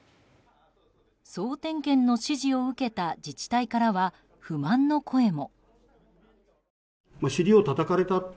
総点検の指示を受けた自治体からは不満の声も。